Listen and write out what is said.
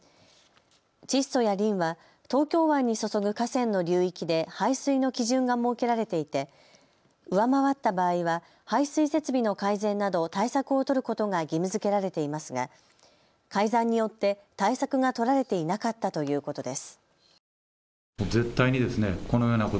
窒素やリンは東京湾に注ぐ河川の流域で排水の基準が設けられていて上回った場合は排水設備の改善など対策を取ることが義務づけられていますが改ざんによって対策が取られていなかったということです。